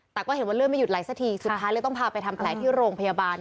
แต่ก็เห็นว่าเลือดไม่หยุดไหลสักทีสุดท้ายเลยต้องพาไปทำแผลที่โรงพยาบาล